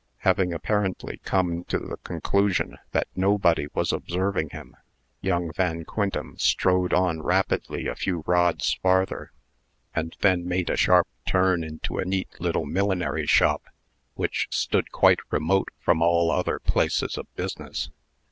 Having apparently come to the conclusion that nobody was observing him, young Van Quintem strode on rapidly a few rods farther, and then made a sharp turn into a neat little millinery shop, which stood quite remote from all other places of business.